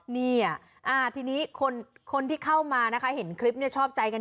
ทีนี้คนที่เข้ามานะคะเห็นคลิปชอบใจกัน